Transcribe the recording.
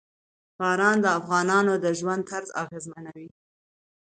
باران د افغانانو د ژوند طرز اغېزمنوي.